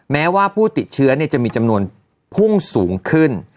แม้ว่าผู้ติดเชื้อจะมีจำนวนพุ่งสูงขึ้น